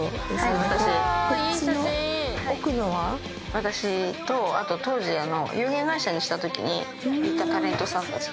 私とあと当時有限会社にしたときにいたタレントさんたち。